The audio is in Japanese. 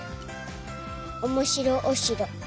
おもしろおしろ。